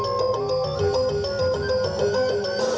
sebagai titikid tiga tugas